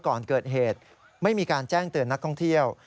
ก่อนเกิดเหตุไม่มีการแจ้งเตือนนักท่องเที่ยว